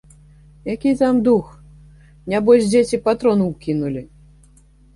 Які там дух, нябось дзеці патрон укінулі.